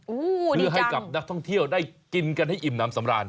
โอ้โหเพื่อให้กับนักท่องเที่ยวได้กินกันให้อิ่มน้ำสำราญ